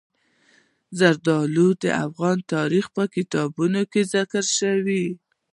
زردالو د افغان تاریخ په کتابونو کې ذکر شوی دي.